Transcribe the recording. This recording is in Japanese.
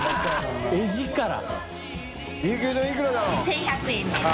１１００円です。